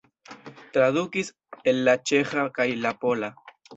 Tradukis el la ĉeĥa kaj la pola.